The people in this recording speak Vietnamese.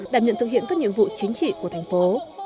đảm nhận thực hiện các nhiệm vụ chính trị của thành phố